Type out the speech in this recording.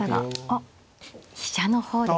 あっ飛車の方でした。